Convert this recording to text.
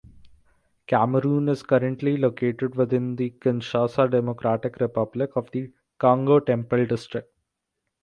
Cameroon is currently located within the Kinshasa Democratic Republic of the Congo Temple District.